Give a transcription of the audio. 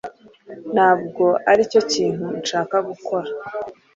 Ntabwo aricyo kintu nshaka gukora